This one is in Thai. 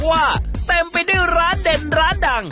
เต็มไปด้วยร้านเด่นร้านดัง